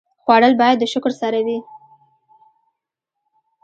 خوړل باید د شکر سره وي